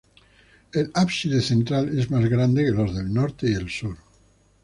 El ábside central es más grande que los del norte y el sur.